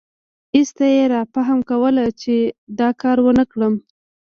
ایسته یې رافهم کوله چې دا کار ونکړم.